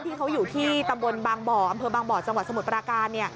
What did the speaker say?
ที่เขาอยู่ที่ตำบลบางบ่ออำเภอบางบ่อจังหวัดสมุทรปราการ